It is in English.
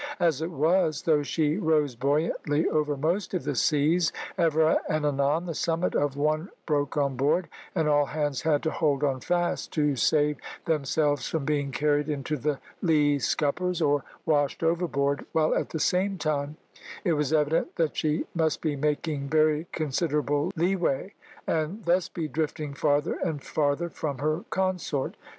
As it was, though she rose buoyantly over most of the seas, ever and anon the summit of one broke on board, and all hands had to hold on fast to save themselves from being carried into the lee scuppers, or washed overboard, while at the same time it was evident that she must be making very considerable leeway, and thus be drifting farther and farther from her consort.